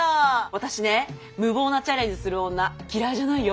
私ね無謀なチャレンジする女嫌いじゃないよ。